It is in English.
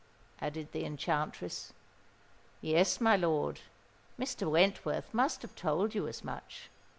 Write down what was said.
added the Enchantress. "Yes, my lord: Mr. Wentworth must have told you as much."